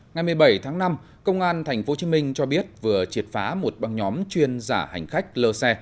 ngày một mươi bảy tháng năm công an tp hcm cho biết vừa triệt phá một băng nhóm chuyên giả hành khách lơ xe